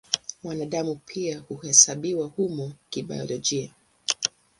Mwanadamu pia huhesabiwa humo kibiolojia.